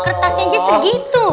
kertasnya aja segitu